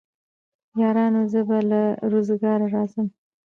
يارانو زه به له روزګاره راځم